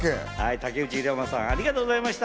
竹内涼真さん、ありがとうございました！